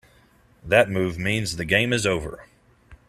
That move means the game is over.